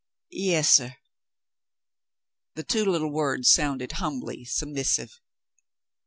"Yes, suli." The two little words sounded humbly submissive.